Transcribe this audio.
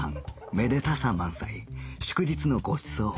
めでたさ満載祝日のごちそう